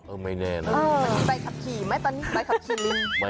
เออไม่แน่นะ